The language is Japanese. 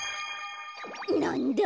なんだ？